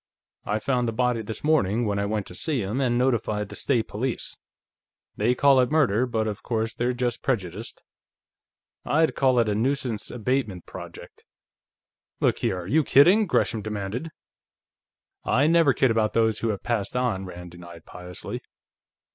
I found the body this morning, when I went to see him, and notified the State Police. They call it murder, but of course, they're just prejudiced. I'd call it a nuisance abatement project." "Look here, are you kidding?" Gresham demanded. "I never kid about Those Who Have Passed On," Rand denied piously.